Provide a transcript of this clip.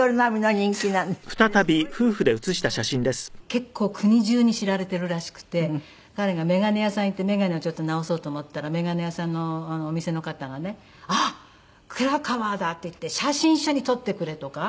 結構国中に知られてるらしくて彼が眼鏡屋さん行って眼鏡をちょっと直そうと思ったら眼鏡屋さんのお店の方がね「あっ黒川だ！」って言って「写真一緒に撮ってくれ」とか。